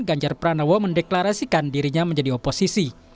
ganjar pranowo mendeklarasikan dirinya menjadi oposisi